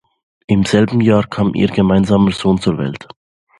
Im selben Jahr kam ihr gemeinsamer Sohn zur Welt.